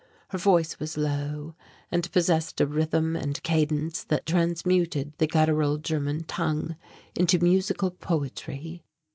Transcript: Her voice was low, and possessed a rhythm and cadence that transmuted the guttural German tongue into musical poetry.